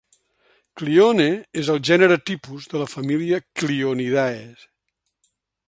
"Clione" és el gènere tipus de la família Clionidae.